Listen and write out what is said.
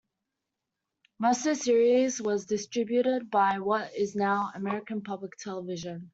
Most of the series was distributed by what is now American Public Television.